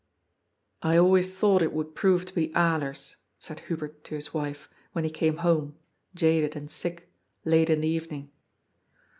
"I always thought it would prove to be Alers," said Hubert to his wife, when he came home, jaded and sick, 28 434 GOD'S POOL. late in the evening.